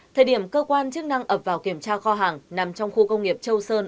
thời điểm cơ quan chức năng ập vào kiểm tra kho hàng nằm trong khu công nghiệp châu sơn